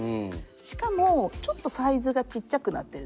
しかもちょっとサイズがちっちゃくなってるんですよね